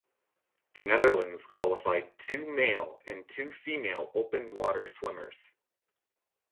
The Netherlands qualified two male and two female open water swimmers.